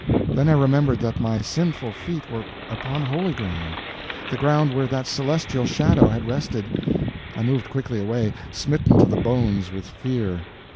Then I remembered that my sinful feet were upon holy ground—the ground where that celestial shadow had rested. I moved quickly away, smitten to the bones with fear.